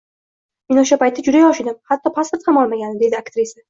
Men o‘sha paytda juda yosh edim, hatto pasport ham olmagandim, — deydi aktrisa